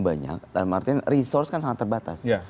banyak dan artinya resource kan sangat terbatas